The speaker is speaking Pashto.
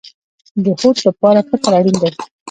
د هوډ لپاره فکر اړین دی